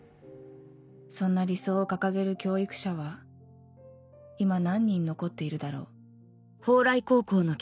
そんな理想を掲げる教育者は今何人残っているだろう